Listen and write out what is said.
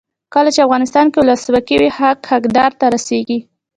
کله چې افغانستان کې ولسواکي وي حق حقدار ته رسیږي.